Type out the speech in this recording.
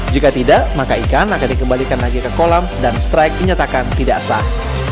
jika tidak maka ikan akan dikembalikan lagi ke kolam dan strike dinyatakan tidak sah